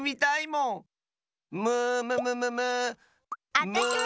あたしも！